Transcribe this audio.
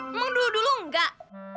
emang dulu dulu nggak